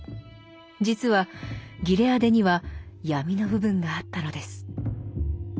実はギレアデには闇の部分があったのです。